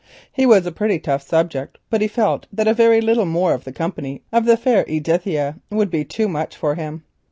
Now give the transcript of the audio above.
He was a pretty tough subject, but he felt that a very little more of the company of the fair Edithia would be too much for him.